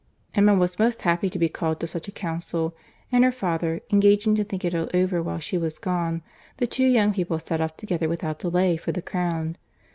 Emma was most happy to be called to such a council; and her father, engaging to think it all over while she was gone, the two young people set off together without delay for the Crown.